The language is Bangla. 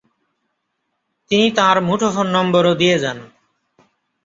তিনি তাঁর মুঠোফোন নম্বরও দিয়ে যান।